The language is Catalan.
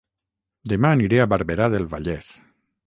Dema aniré a Barberà del Vallès